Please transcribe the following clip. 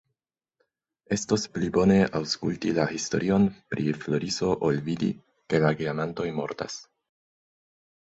Estos pli bone, aŭskulti la historion pri Floriso ol vidi, ke la geamantoj mortas.